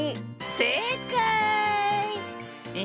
せいかい。